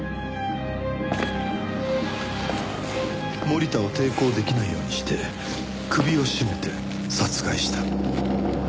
森田を抵抗できないようにして首を絞めて殺害した。